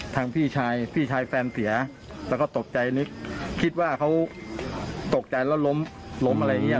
พี่ชายพี่ชายแฟนเสียแล้วก็ตกใจนึกคิดว่าเขาตกใจแล้วล้มล้มอะไรอย่างนี้